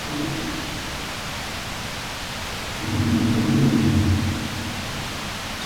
د بدن ډیری نسجونه او غړي د خوږ آخذې لري.